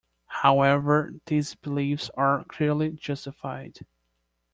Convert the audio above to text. However, these beliefs are clearly justified.